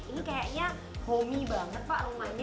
ini kayaknya hobi banget pak rumahnya